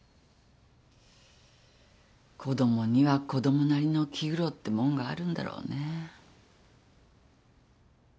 子供には子供なりの気苦労ってもんがあるんだろうね。